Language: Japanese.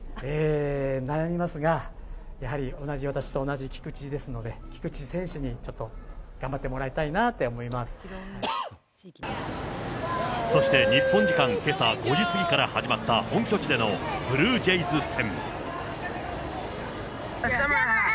悩みますが、やはり、同じ私と同じ菊池ですので、菊池選手にちょっと頑張ってもらいたそして、日本時間けさ５時過ぎから始まった、本拠地でのブルージェイズ戦。